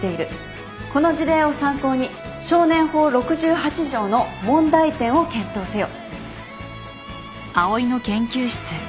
この事例を参考に少年法６８条の問題点を検討せよ。